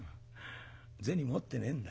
銭持ってねえんだ。